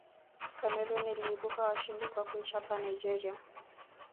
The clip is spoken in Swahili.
cameroon iliibuka washindi kwa kuichapa nigeria